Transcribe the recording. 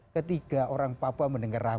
ketiga orang papua mendengar